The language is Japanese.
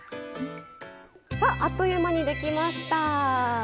あっという間にできました。